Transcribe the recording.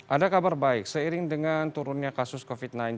ada kabar baik seiring dengan turunnya kasus covid sembilan belas